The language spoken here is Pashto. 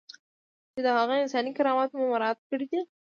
چې د هغه انساني کرامت مو مراعات کړی دی.